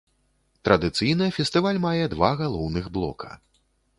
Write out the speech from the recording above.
Традыцыйна фестываль мае два галоўных блока.